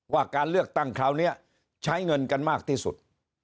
ว่าการเลือกตั้งคราวนี้ใช้เงินกันมากที่สุด